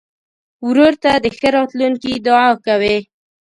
ورور ته د ښه راتلونکي دعا کوې.